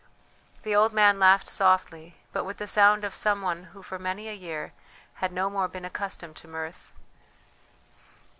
The old man laughed softly, but with the sound of some one who for many a year had no more been accustomed to mirth.